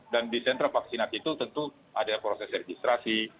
dan di sentra vaksinasi itu tentu ada proses registrasi